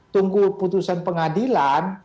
tunggu putusan pengadilan